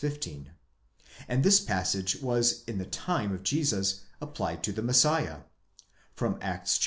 15), and this passage was in the time of Jesus applied to the Messiah (Acts iii.